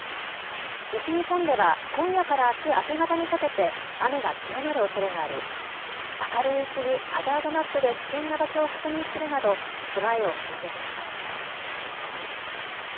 西日本では今夜からあす明け方にかけて雨が強まるおそれがあり明るいうちにハザードマップで危険な場所を確認するなど備えを進めてください。